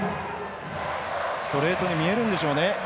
ストレートに見えるんでしょうね。